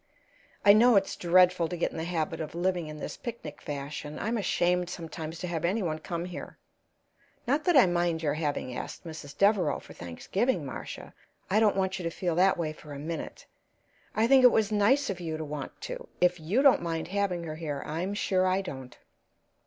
I know it's dreadful to get in the habit of living in this picnic fashion; I'm ashamed sometimes to have any one come here. Not that I mind your having asked Mrs. Devereaux for Thanksgiving, Marcia; I don't want you to feel that way for a minute. I think it was nice of you to want to. If you don't mind having her here, I'm sure I don't.